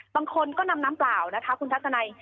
บางคนก็นำน้ำเปล่านะคะคุณทัศนัย